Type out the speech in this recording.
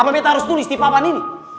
apa beta harus tulis di papan ini